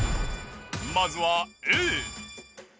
まずはＡ。